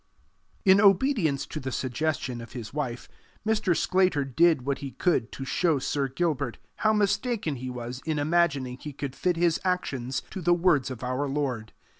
In obedience to the suggestion of his wife, Mr. Sclater did what he could to show Sir Gilbert how mistaken he was in imagining he could fit his actions to the words of our Lord.